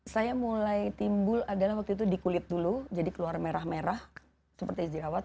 saya mulai timbul adalah waktu itu di kulit dulu jadi keluar merah merah seperti jerawat